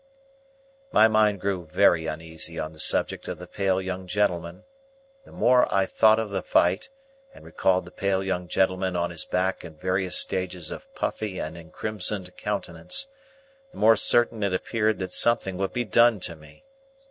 My mind grew very uneasy on the subject of the pale young gentleman. The more I thought of the fight, and recalled the pale young gentleman on his back in various stages of puffy and incrimsoned countenance, the more certain it appeared that something would be done to me.